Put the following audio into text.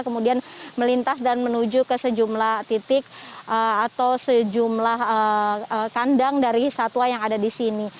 kemudian melintas dan menuju ke sejumlah titik atau sejumlah kandang dari satwa yang ada di sini